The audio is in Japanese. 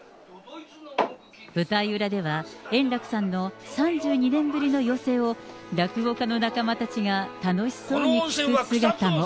舞台裏では、円楽さんの３２年ぶりの寄席を、落語家の仲間たちが楽しそうに聞く姿も。